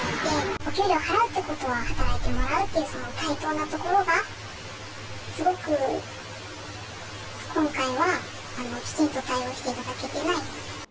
お給料払うってことは働いてもらうっていう、対等なところが、すごく今回はきちんと対応していただけてない。